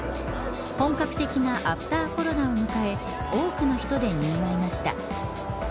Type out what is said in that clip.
本格的なアフターコロナを迎え多くの人でにぎわいました。